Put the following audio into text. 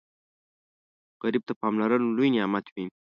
غریب ته پاملرنه لوی نعمت وي